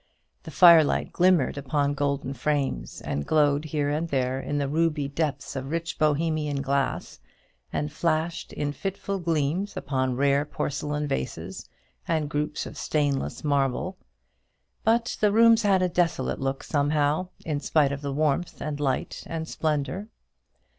The firelight glimmered upon golden frames, and glowed here and there in the ruby depths of rich Bohemian glass, and flashed in fitful gleams upon rare porcelain vases and groups of stainless marble; but the rooms had a desolate look, somehow, in spite of the warmth and light and splendour.